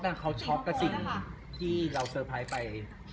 เขาช็อกกับสิ่งที่เราเซอร์ไพรส์ไป